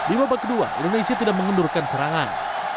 lima dua indonesia tidak mengendurkan serangan